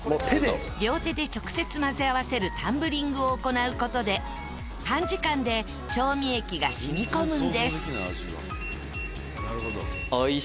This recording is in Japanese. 両手で直接混ぜ合わせるタンブリングを行う事で短時間で調味液が染み込むんです。